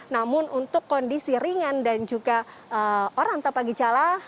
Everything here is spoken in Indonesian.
namun untuk kondisi ringan dan juga orang tanpa gejala